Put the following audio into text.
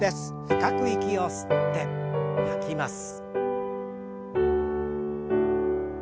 深く息を吸って吐きます。